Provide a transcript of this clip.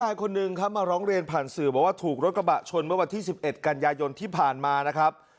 คนหนึ่งครับมาร้องเรียนผ่านสื่อบอกว่าถูกรถกระบะชนเมื่อวันที่๑๑กันยายนที่ผ่านมานะครับ